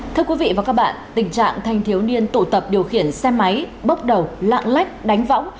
thưa quý vị và các bạn tình trạng thanh thiếu niên tụ tập điều khiển xe máy bốc đầu lạng lách đánh võng